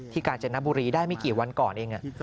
กาญจนบุรีได้ไม่กี่วันก่อนเอง